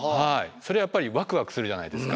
それはやっぱりワクワクするじゃないですか。